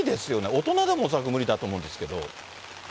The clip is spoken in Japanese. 大人でも恐らく無理だと思うんですけれども。